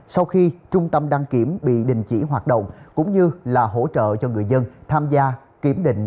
sau khi trung tâm đăng kiểm bị đình chỉ hoạt động cũng như là hỗ trợ cho người dân tham gia kiểm định